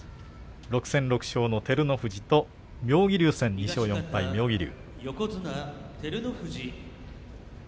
６戦６勝の照ノ富士と妙義龍戦、２勝４敗妙義龍。